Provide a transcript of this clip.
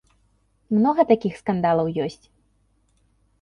Многа такіх скандалаў ёсць.